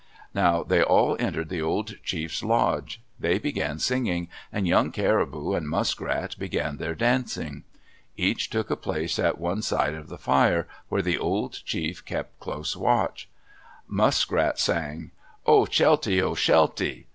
Now they all entered the old chief's lodge. They began singing, and Young Caribou and Muskrat began their dancing. Each took a place at one side of the fire, where the old chief kept close watch. Muskrat sang, Oh, shelte! Oh, shelte!